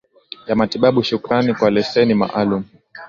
ya matibabu shukrani kwa leseni maalum